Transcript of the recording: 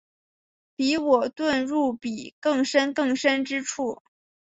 让我遁入比更深更深之处